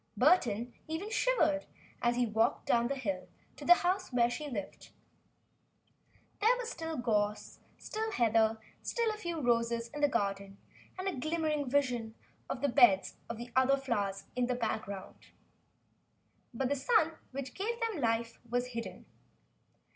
Burton even shivered as he walked down the hill to the house where she lived. There was still gorse, still heather, still a few roses in the garden and a glimmering vision of the beds of other flowers in the background. But the sun which gave them life was hidden.